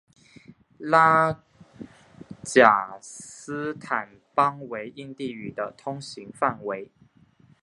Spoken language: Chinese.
拉贾斯坦邦为印地语的通行范围。